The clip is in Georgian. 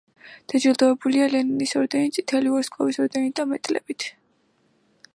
დაჯილდოებულია ლენინის ორდენით, წითელი ვარსკვლავის ორდენით და მედლებით.